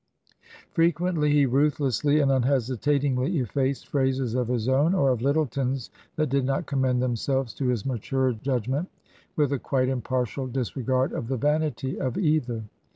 Frequently he ruthlessly and un hesitatingly effaced phrases of his own or of Lyttleton's that did not commend themselves to his maturer judg ment, with a quite impartial disregard of the vanity of either.